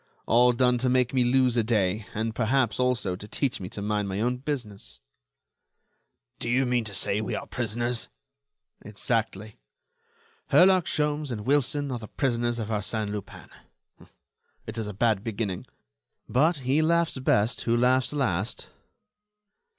All done to make me lose a day, and, perhaps, also, to teach me to mind my own business." "Do you mean to say we are prisoners?" "Exactly. Herlock Sholmes and Wilson are the prisoners of Arsène Lupin. It's a bad beginning; but he laughs best who laughs last."